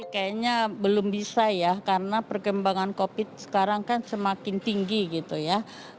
kayaknya belum bisa ya karena perkembangan covid sekarang kan semakin tinggi gitu ya